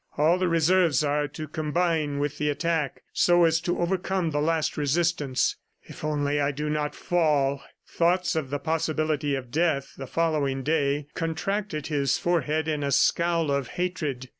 All the Reserves are to combine with the attack so as to overcome the last resistance. ... If only I do not fall!" ... Thoughts of the possibility of death the following day contracted his forehead in a scowl of hatred.